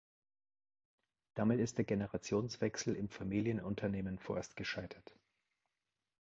Damit ist der Generationswechsel im Familienunternehmen vorerst gescheitert.